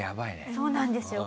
そうなんですよ。